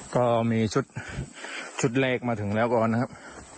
ก็มีชุดเลขมาถึงแล้วก่อนนะครับ